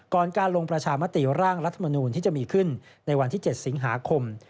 การลงประชามติร่างรัฐมนูลที่จะมีขึ้นในวันที่๗สิงหาคม